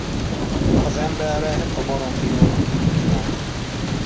Az emberre a baromfiról ugrik rá.